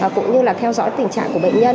cũng như là theo dõi tình trạng của bệnh nhân